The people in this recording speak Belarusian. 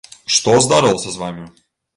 Што здарылася з вамі?